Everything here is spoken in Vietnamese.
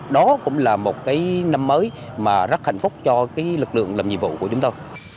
đó cũng là một cái năm mới mà rất hạnh phúc cho cái lực lượng làm nhiệm vụ của chúng tôi